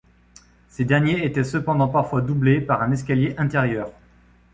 Ces derniers étaient cependant parfois doublés par un escalier intérieur.